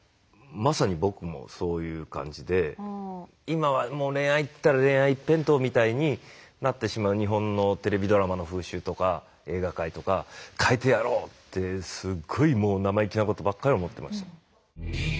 まさに僕もそういう感じで今はもう恋愛ったら恋愛一辺倒みたいになってしまう日本のテレビドラマの風習とか映画界とか変えてやろうってすごいもう生意気なことばっかり思ってました。